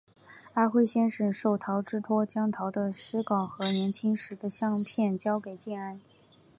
阿辉先生受陶之托将陶的诗稿和年轻时的相片交给建安。